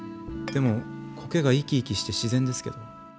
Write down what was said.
でも苔が生き生きして自然ですけど。